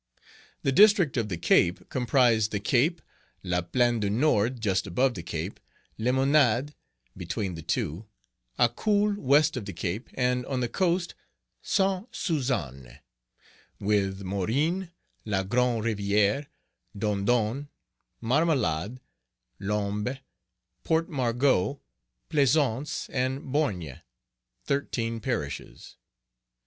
The District of the Cape comprised the Cape, La Plaine du Nord, just above the Cape, Limonade, between the two; Acul, west of the Cape, and on the coast, Sainte Suzanne; with Morin, La Grande Rivière, Dondon, Marmelade, Limbé, Port Margot, Plaisance, and Borgne, thirteen parishes.